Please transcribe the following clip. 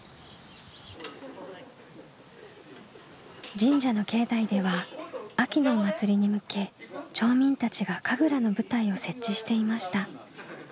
神社の境内では秋のお祭りに向け町民たちが神楽の舞台を設置していました。